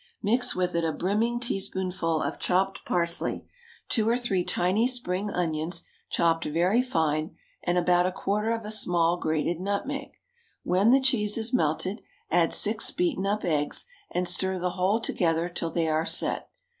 Mix with it a brimming teaspoonful of chopped parsley, two or three tiny spring onions, chopped very fine, and about a quarter of a small grated nutmeg. When the cheese is melted, add six beaten up eggs, and stir the whole together till they are set.